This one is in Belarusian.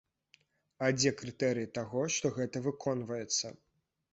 А дзе крытэрыі таго, што гэта выконваецца?